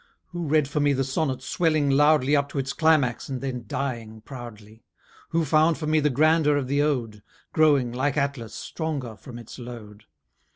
Who read for me the sonnet swelling loudly Up to its climax and then dying proudly? Who found for me the grandeur of the ode, Growing, like Atlas, stronger from its load?